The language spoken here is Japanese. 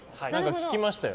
聞きましたよ。